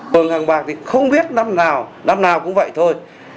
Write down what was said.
phường hàng bạc thì không biết năm nào năm nào cũng vậy thôi